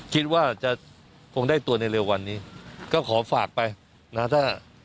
คิดว่าจะคงได้ตัวในเร็ววันนี้ก็ขอฝากไปนะถ้า